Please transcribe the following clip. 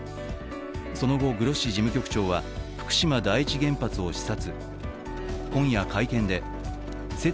その後、グロッシ事務局長は福島第一原発を視察。